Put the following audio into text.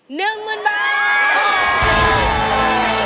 ๑หมื่นบาท